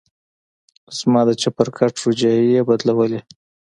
زما د چپرکټ روجايانې يې بدلولې.